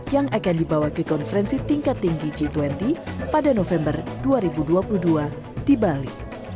yang akan dibawa ke konferensi tingkat tinggi g dua puluh pada november dua ribu dua puluh dua di bali